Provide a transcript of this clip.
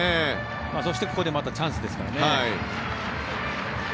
そして、ここでまたチャンスですからね。